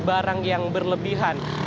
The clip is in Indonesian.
barang yang berlebihan